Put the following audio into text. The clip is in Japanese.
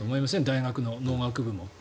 大学の農学部も。